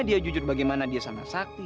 dia jujur bagaimana dia sangat sakti